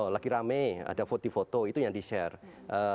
lagi rame ada foto di foto itu yang di share